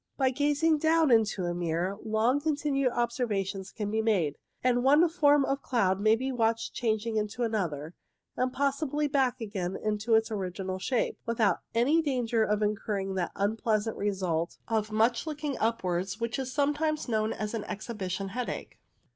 By gazing down into a mirror long continued observations can be made, and one form of cloud may be watched changing into another, and possibly back again into its original shape, without any danger of incurring that unpleasant result of 1 6 INTRODUCTORY much looking upwards which is sometimes known as exhibition headache.